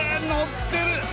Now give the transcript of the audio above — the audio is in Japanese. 乗ってる！